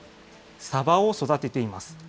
サバを育てています。